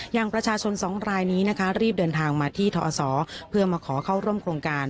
อย่างประชาชนสองรายนี้นะคะรีบเดินทางมาที่ทศเพื่อมาขอเข้าร่วมโครงการ